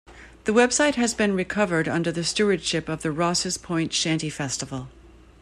The website has been recovered under the stewardship of the Rosses Point Shanty Festival.